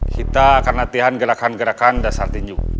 kita akan latihan gerakan gerakan dasar tinju